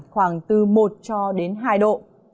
khoảng từ một cho đến hai độ